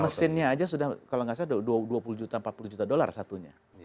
mesinnya aja sudah kalau nggak salah dua puluh juta empat puluh juta dolar satunya